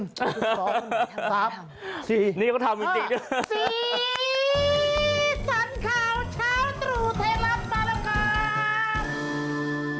สีสันข่าวเช้าตรู่เทลัมมาแล้วครับ